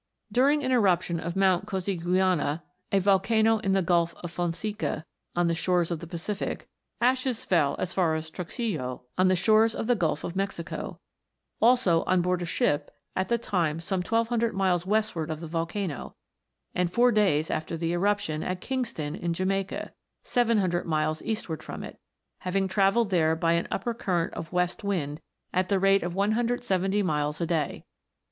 During an eruption of Mount Cosiguiana, a volcano in the Gulf of Fonseca, on the shores of the Pacific, ashes fell as far as Truxillo, on the shores of the Gulf of Mexico ; also on board a ship at the time some 1200 miles westward of the volcano ; and four days after the eruption, at Kingston, in Jamaica, 700 miles eastward from it, having travelled there by an upper current of west wind, at the rate of 170 miles a day.